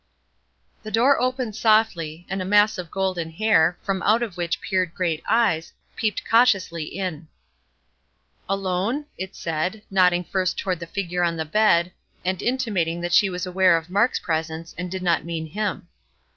The door opened softly, and a mass of golden hair, from out of which peered great eyes, peeped cautiously in. "Alone?" it said, nodding first toward the figure on the bed, and intimating that she was aware of Mark's presence, and did not mean him.